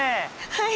はい。